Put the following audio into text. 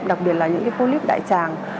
đặc biệt là những phô líp đại tràng